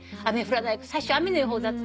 最初雨の予報だった。